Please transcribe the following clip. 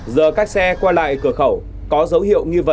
giờ các xe qua lại cửa khẩu có dấu hiệu nghi vấn